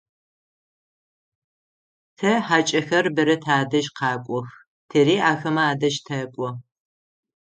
Тэ хьакӏэхэр бэрэ тадэжь къэкӏох, тэри ахэмэ адэжь тэкӏо.